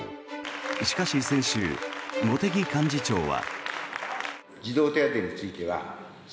しかし先週、茂木幹事長は。